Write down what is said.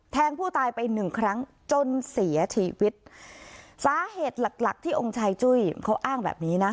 ผู้ตายไปหนึ่งครั้งจนเสียชีวิตสาเหตุหลักหลักที่องค์ชายจุ้ยเขาอ้างแบบนี้นะ